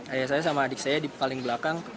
ayah saya sama adik saya di paling belakang